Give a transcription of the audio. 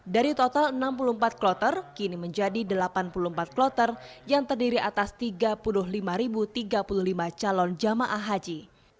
dari total enam puluh empat kloter kini menjadi delapan puluh empat kloter yang terdiri atas tiga puluh lima tiga puluh lima calon jamaah haji